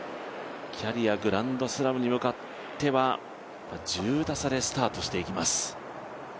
キャリアグランドスラムに向かっては１０打差でスタートしていきます。